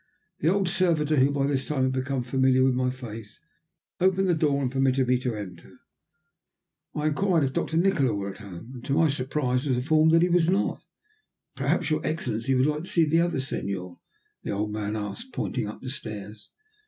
The old servitor, who by this time had become familiar with my face, opened the door and permitted me to enter. I inquired if Doctor Nikola were at home, and to my surprise was informed that he was not. "Perhaps your Excellency would like to see the other Senor?" the old man asked, pointing up the stairs.